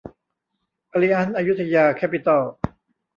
อลิอันซ์ อยุธยา แคปปิตอล